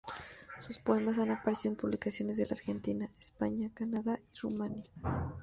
Sus poemas han aparecido en publicaciones de la Argentina, España, Canadá y Rumania.